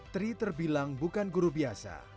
tri terbilang bukan guru biasa